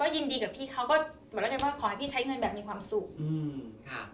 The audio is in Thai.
แต่พี่เขาก็บอกแล้วว่าขอให้พี่ใช้เงินแบบมีความสุข